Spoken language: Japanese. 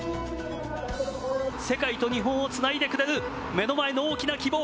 世界と日本をつないでくれる目の前の大きな希望。